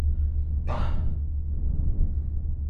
ป่ะ?